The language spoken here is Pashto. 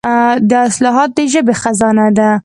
دا اصطلاحات د ژبې خزانه ده.